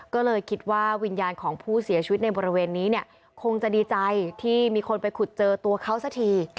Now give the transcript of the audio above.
ก็เลยคิดว่าวิญญาณของผู้เสียชีวิตในบริเวณนี้เนี่ยคงจะดีใจที่มีคนไปขุดเจอตัวเขาสักที